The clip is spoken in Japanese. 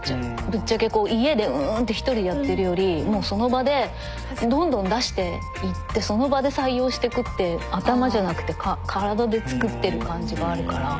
ぶっちゃけこう家でうんって１人でやってるよりもうその場でどんどん出していってその場で採用してくって頭じゃなくて体で作ってる感じがあるから。